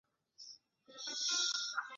坚叶毛蕨为金星蕨科毛蕨属下的一个种。